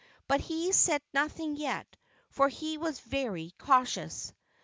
But he said nothing yet, for he was very cautious.